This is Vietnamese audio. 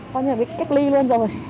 coi như là bị cách ly luôn rồi